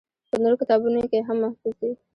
پۀ نورو کتابونو کښې هم محفوظ دي